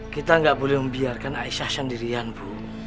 kita gak boleh membiarkan aisyah sendirian ibu